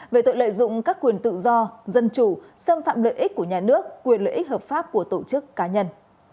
về tội lợi dụng các quyền tự do dân chủ xâm phạm lợi ích của nhà nước quyền lợi ích hợp pháp của tổ chức cá nhân